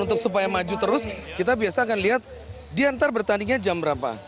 untuk supaya maju terus kita biasanya akan lihat diantar bertandingnya jam berapa